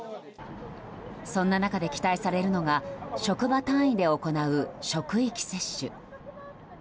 そんな中で期待されるのが職場単位で行われる職域接種。